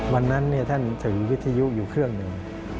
วันนั้นท่านถือวิทยุอยู่เครื่องหนึ่ง